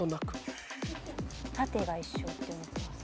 縦が一緒って思ってます。